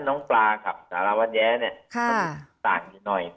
น้องปลาขับสารวรรย์เนี่ยต่างอยู่หน่อย